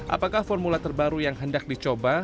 apakah formula terbaru yang hendak dicoba